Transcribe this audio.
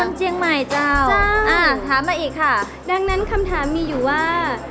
เจียงใหม่เจ้าจ้าอ่าถามมาอีกค่ะดังนั้นคำถามมีอยู่ว่า